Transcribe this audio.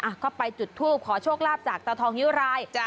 อะก็ไปจุดทูปขอโชคลาภจากตะทองเฮียวรายจ้ะ